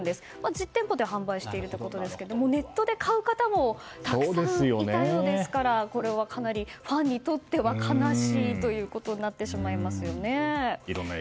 実店舗で販売しているということですがネットで買う方もたくさんいたようですからこれはかなりファンにとっては悲しいということになってしましますね。